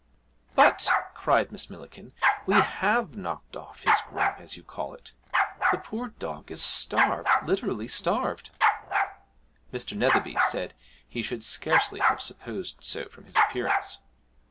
'But,' cried Miss Millikin, 'we have knocked off his grub, as you call it. The poor dog is starved literally starved.' Mr. Netherby said he should scarcely have supposed so from his appearance.